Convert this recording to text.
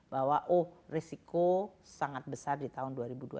bahwa oh risiko sangat besar di tahun dua ribu dua puluh